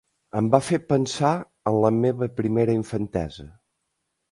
Em va fer pensar en la meva primera infantesa